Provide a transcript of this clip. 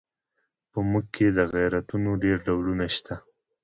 په موږ کې د غیرتونو ډېر ډولونه شته.